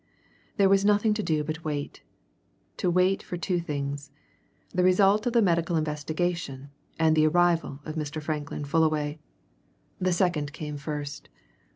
There was nothing to do but to wait: to wait for two things the result of the medical investigation, and the arrival of Mr. Franklin Fullaway. The second came first.